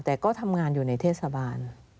แต่ก็ทำงานอยู่ในเทศบาล